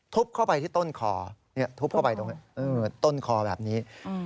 เข้าไปที่ต้นคอทุบเข้าไปตรงต้นคอแบบนี้